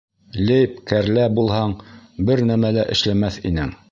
— Лейб-кәрлә булһаң, бер нәмә лә эшләмәҫ инең!